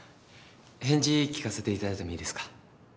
返事聞かせていただいてもいいですか？